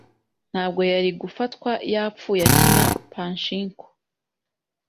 Ntabwo yari gufatwa yapfuye akina pachinko.